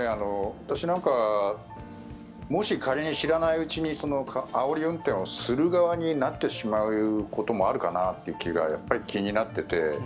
私なんかもし仮に知らないうちにあおり運転をする側になってしまうこともあるかなということがやっぱり気になっていて。